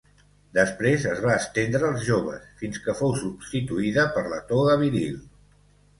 Després es va estendre als joves fins que fou substituïda per la toga viril.